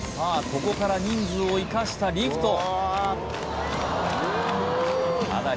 ここから人数を生かしたリフトただ